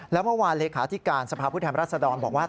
แล้วเมื่อวานเหลคาอธิการสภาพุทธแห่งราษฎรบอกว่า